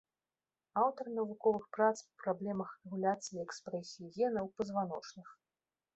Аўтар навуковых прац па праблемах рэгуляцыі экспрэсіі гена ў пазваночных.